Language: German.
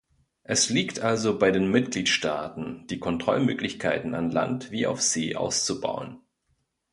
Es liegt also bei den Mitgliedstaaten, die Kontrollmöglichkeiten an Land wie auf See auszubauen.